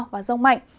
và rông mạnh